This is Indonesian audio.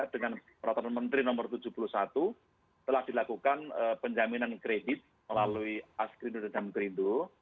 dengan peraturan menteri no tujuh puluh satu telah dilakukan penjaminan kredit melalui askrindo dan jamkrindo